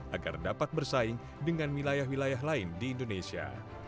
agar dapat bersaing dengan wilayah wilayah lain di indonesia